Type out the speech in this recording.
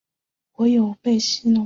我有被戏弄的感觉